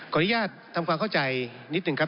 อนุญาตทำความเข้าใจนิดหนึ่งครับ